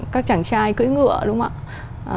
các chàng trai cưỡi ngựa đúng không ạ